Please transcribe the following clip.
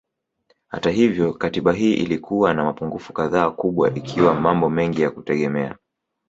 Hata hivyo Katiba hii ilikuwa na mapungufu kadhaa kubwa ikiwa mambo mengi ya kutegemea